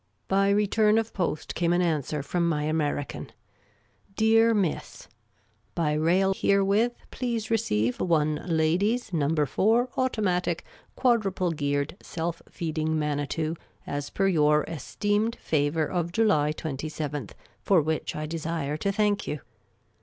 By return of post came an answer from my American: •'Dkar Mi.ss— Tly rail herewith please receive one lady's No. 4 automatic quadruple beared self feeding Manitou, as per your esteemed favour of July 27ih, for which I desire to thank you.